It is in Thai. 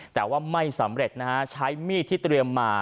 แต่ว่าไม่สำเร็จนะฮะใช้มีดที่เตรียมมา